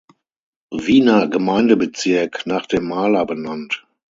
Wiener Gemeindebezirk, nach dem Maler benannt.